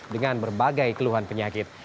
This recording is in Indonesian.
dengan berbagai keluhan penyakit